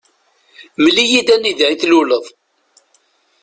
Mel-iyi-d anida i tluleḍ.